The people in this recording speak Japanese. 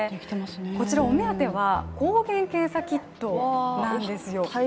こちら、お目当ては抗原検査キットなんですよ。